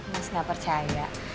mas gak percaya